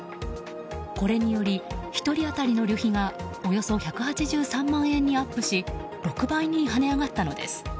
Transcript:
これにより１人当たりの旅費がおよそ１８３万円にアップし６倍に跳ね上がったのです。